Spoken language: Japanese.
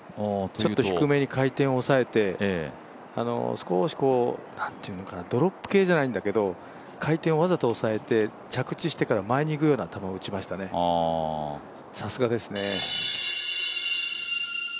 ちょっと低めに回転を抑えて、少しドロップ系じゃないんだけど、回転をわざと抑えて着地してから前に行くような球を打ちましたね、さすがですね。